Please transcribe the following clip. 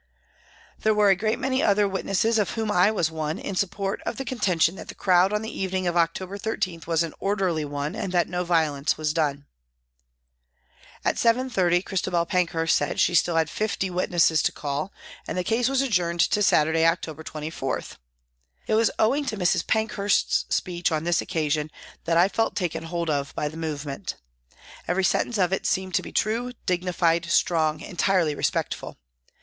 There were a great many other wit nesses, of whom I was one, in support of the con tention that the crowd on the evening of October 13 was an orderly one, and that no violence was done. At 7.30 Christabel Pankhurst said she had still fifty witnesses to call, and the case was adjourned to MY CONVERSION 29 Saturday, October 24. It was owing to Mrs. Pank hurst's speech on this occasion that I felt taken hold of by the movement. Every sentence of it seemed to be true, dignified, strong, entirely respectful.